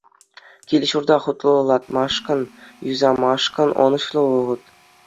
Кил-ҫурта хӑтлӑлатмашкӑн, юсамашкӑн ӑнӑҫлӑ вӑхӑт.